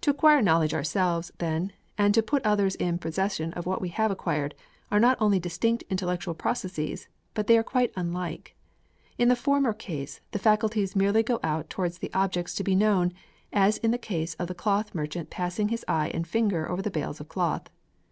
To acquire knowledge ourselves, then, and to put others in possession of what we have acquired, are not only distinct intellectual processes, but they are quite unlike. In the former case, the faculties merely go out towards the objects to be known, as in the case of the cloth merchant passing his eye and finger over the bales of cloth.